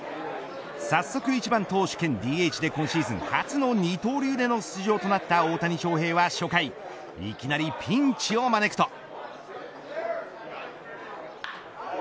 早速１番投手兼ＤＨで今シーズン初の二刀流での出場となった大谷翔平は初回いきなりピンチを招くと。